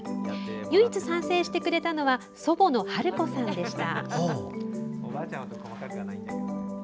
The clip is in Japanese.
唯一賛成してくれたのは祖母の春子さんでした。